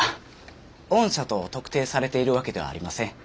御社と特定されているわけではありません。